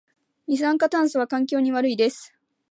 二酸化炭素は環境に悪いです